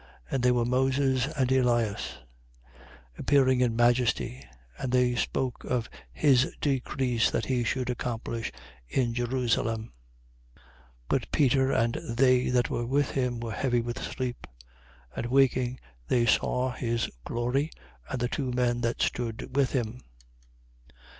And they were Moses and Elias, 9:31. Appearing in majesty. And they spoke of his decease that he should accomplish in Jerusalem. 9:32. But Peter and they that were with him were heavy with sleep. And waking, they saw his glory and the two men that stood with him.